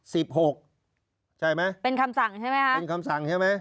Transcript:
หกใช่ไหมเป็นคำสั่งใช่ไหมคะเป็นคำสั่งใช่ไหม